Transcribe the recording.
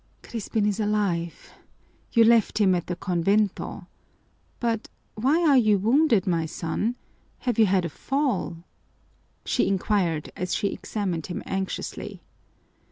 "Crispin is alive! You left him at the convento! But why are you wounded, my son? Have you had a fall?" she inquired, as she examined him anxiously.